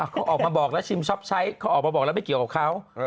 เขาออกมาบอกแล้วชิมช็อปใช้เขาออกมาบอกแล้วไม่เกี่ยวกับเขา